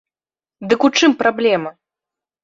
Дык у чым праблема?